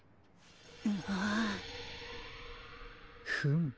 あっ。フム。